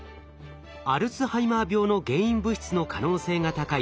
アルツハイマー病の原因物質の可能性が高い